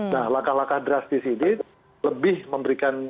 nah langkah langkah drastis ini lebih memberikan